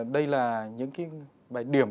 đây là những cái bài điểm